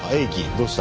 どうした？